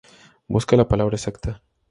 Busca la palabra exacta.